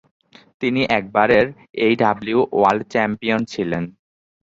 তিনি একবারের AEW world champion ছিলেন।